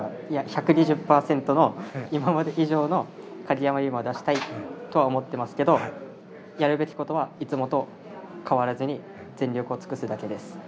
いや、１２０％の今まで以上の鍵山優真を出したいとは思ってますけどやるべきことはいつもと変わらずに全力を尽くすだけです。